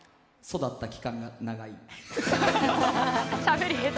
育った期間が長い。